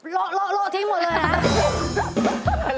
โละทิ้งหมดเลยครับ